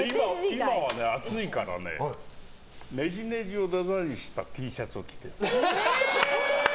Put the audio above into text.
今はね、暑いからねねじねじをデザインしたＴシャツを着てる。